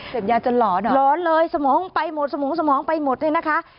เสพยาจะหลอนเหรอหลอนเลยสมองไปหมดสมองไปหมดเนี่ยนะคะ